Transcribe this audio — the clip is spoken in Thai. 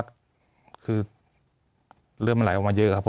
มีความรู้สึกว่ามีความรู้สึกว่า